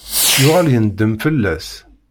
Yuɣal yendem fell-as.